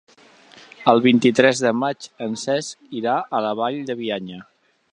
El vint-i-tres de maig en Cesc irà a la Vall de Bianya.